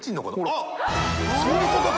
曚蕁あっそういうことか。